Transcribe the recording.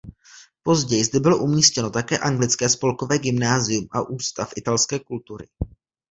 Později zde bylo umístěno také anglické spolkové gymnázium a Ústav italské kultury.